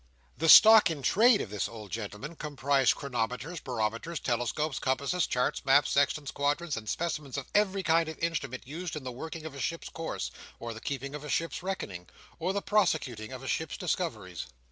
The stock in trade of this old gentleman comprised chronometers, barometers, telescopes, compasses, charts, maps, sextants, quadrants, and specimens of every kind of instrument used in the working of a ship's course, or the keeping of a ship's reckoning, or the prosecuting of a ship's discoveries.